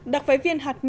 đặc phái viên hạt nhân